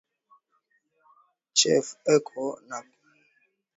Chefu eko na pokeya paka ba mama, njuu aba kachiye ma mpango